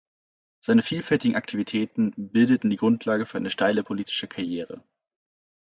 Seine vielfältigen Aktivitäten bildeten die Grundlage für eine steile politische Karriere.